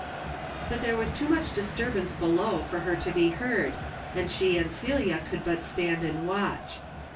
But there was too much disturbance below for her to be heard, and she and Celia could but stand and watch.